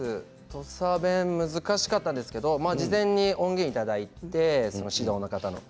土佐弁は難しかったんですけれども事前に音源をいただいて指導の方の。